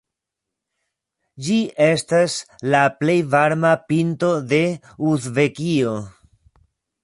Ĝi estas la plej varma pinto de Uzbekio.